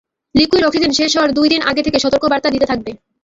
Liquid oxygen শেষ হওয়ার দুই দিন আগে থেকে সতর্ক বার্তা দিতে থাকবে।